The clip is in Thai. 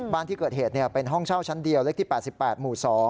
บ้านที่เกิดเหตุเป็นห้องเช่าชั้นเดียวเล็กที่๘๘หมู่๒